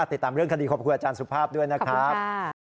ติดตามเรื่องคดีขอบคุณอาจารย์สุภาพด้วยนะครับ